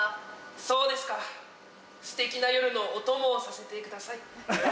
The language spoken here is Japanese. そうですかステキな夜のお供をさせてください。